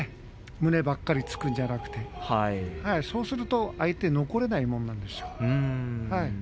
胸ばかり突くんじゃなくてそうすると相手は残れないものなんですよ。